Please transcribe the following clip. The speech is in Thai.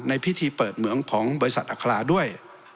ในพิธีเปิดเหมืองของบริษัทอัคราด้วย